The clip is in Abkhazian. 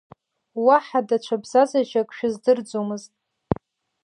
Уаҳа даҽа бзазашьак шәыздырӡомызт!